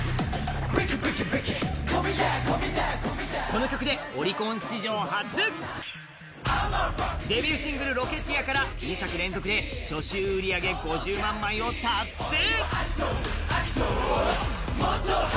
この曲でオリコン史上初デビューシングル「Ｒｏｃｋｅｔｅｅｒ」から２作連続で初週売り上げ５０万枚を達成！